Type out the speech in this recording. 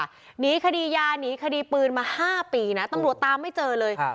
หนีคดียาหนีคดีปืนมา๕ปีนะตำรวจตามไม่เจอเลย